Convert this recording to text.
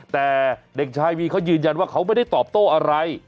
แต่เด็กชายวีเขายืนยันว่าเขาไม่ได้ตอบโต้อะไร